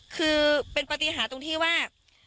คือเป็นปฏิหารตรงที่ว่า